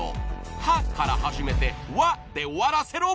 ［「は」から始めて「わ」で終わらせろ］